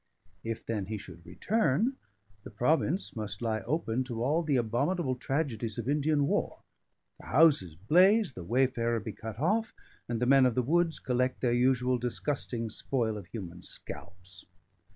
If, then, he should return, the province must lie open to all the abominable tragedies of Indian war the houses blaze, the wayfarer be cut off, and the men of the woods collect their usual disgusting spoil of human scalps.